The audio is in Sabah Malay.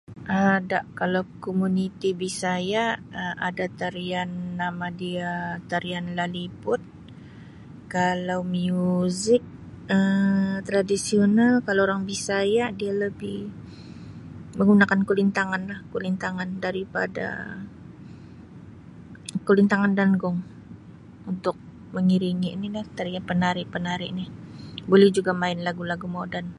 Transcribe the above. Um Ada, kalau komuniti Bisaya Um ada tarian nama dia tarian Laliput. Kalau muzik Um tradisional kalau orang Bisaya dia lebih menggunakan kulintangan lah, kulintangan daripada, kulintangan dan gong untuk mengiringi ni lah tari-penari-penari ni. Boleh juga main lagu-lagu moden.